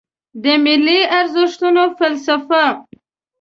د ملي ارزښتونو فلسفه